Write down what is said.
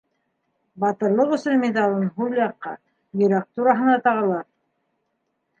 - «Батырлыҡ өсөн» миҙалын һул яҡҡа, йөрәк тураһына тағалар...